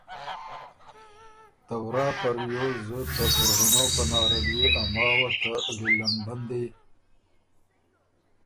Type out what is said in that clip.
ته ورا په ریوز ته پُرغُنؤ پناره لیې ا ماوه ته لیلن بندی